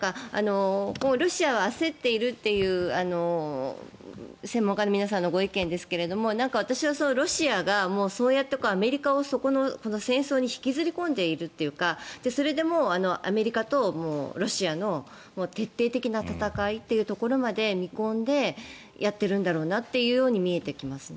ロシアは焦っているっていう専門家の皆さんのご意見ですが私はロシアがアメリカとかを戦争に引きずり込んでいるというかそれでもう、アメリカとロシアの徹底的な戦いというところまで見込んでやっているんだろうなというように見えてきます。